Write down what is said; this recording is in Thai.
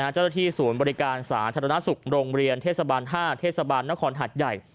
เจ้าหน้าที่ศูนย์บริการสาธารณสุขโรงเรียนเทศบาล๕เทศบาลนครหัดใหญ่